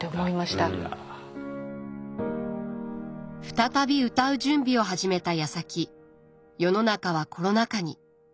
再び歌う準備を始めたやさき世の中はコロナ禍に。